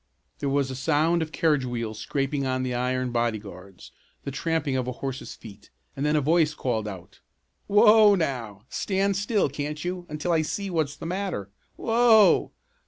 There was a sound of carriage wheels scraping on the iron body guards, the tramping of a horse's feet, and then a voice called out: "Whoa now! Stand still, can't you, until I see what's the matter? Whoa!